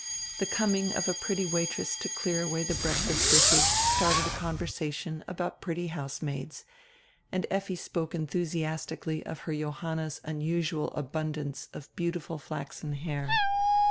The coming of a pretty waitress to clear away the breakfast dishes stalled a conversation about pretty housemaids, and Effi spoke enthusiastically of her Johanna's unusual abund ance of beautiful flaxen hair.